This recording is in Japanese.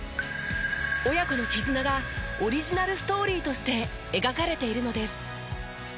親子の絆がオリジナルストーリーとして描かれているのです。